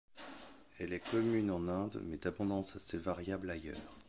Elle est commune en Inde mais d’abondance assez variable ailleurs.